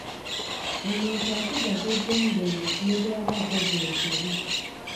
Omuntu asigaza eddembe lye ne bw'aba akoze ensobi.